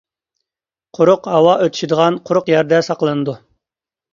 قۇرۇق، ھاۋا ئۆتۈشىدىغان، قۇرۇق يەردە ساقلىنىدۇ.